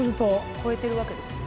超えてるわけですね。